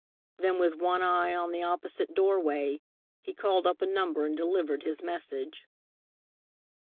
Then, with one eye on the opposite doorway, he called up a number and delivered his message.